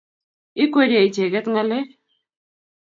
Ikweryei icheget ngalek